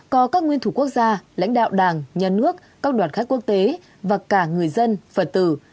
có các nguyên thủ quốc gia lãnh đạo đảng nhà nước các đoàn khách quốc tế và cả người dân phật tử